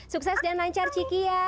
sukses dan lancar ciki ya